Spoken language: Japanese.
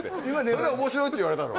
それで面白いって言われたの？